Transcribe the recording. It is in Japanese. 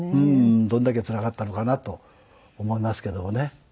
どれだけつらかったのかなと思いますけどもね。